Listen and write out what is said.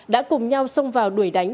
đã cùng nhau xông vào đuổi đánh